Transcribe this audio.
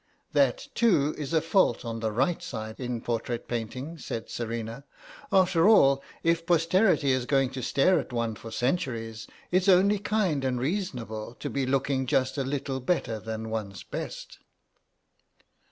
"That, too, is a fault on the right side in portrait painting," said Serena; "after all, if posterity is going to stare at one for centuries it's only kind and reasonable to be looking just a little better than one's best."